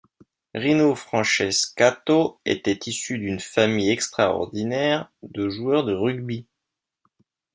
Rino Francescato était issu d'une famille extraordinaire de joueurs de rugby.